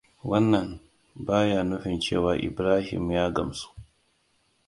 Wannan ba ya nufin cewa Ibrahima ya gamsu.